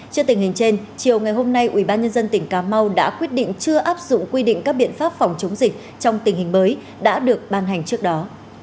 trước tình hình trên chiều ngày hôm nay ubnd tỉnh cà mau đã quyết định chưa áp dụng quy định các biện pháp phòng chống dịch trong tình hình mới đã được ban hành trước đó